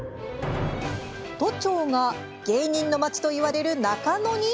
都庁が芸人の街と言われる中野に？